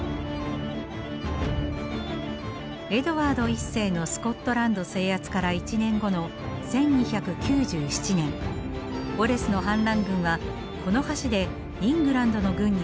エドワード１世のスコットランド制圧から１年後の１２９７年ウォレスの反乱軍はこの橋でイングランドの軍に襲いかかります。